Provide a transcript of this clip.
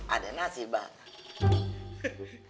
ada nasi banget